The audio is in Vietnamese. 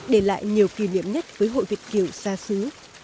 để lại nhiều kỷ niệm nhất với hội việt kiều xa xứ